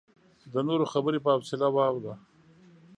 د نورو خبرې په حوصله واوره.